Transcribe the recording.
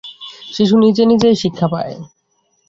শিশু নিজে নিজেই শিক্ষা পায়।